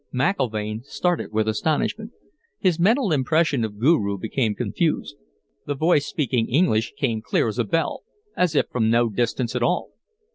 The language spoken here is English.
McIlvaine started with astonishment. His mental impression of Guru became confused; the voice speaking English came clear as a bell, as if from no distance at all.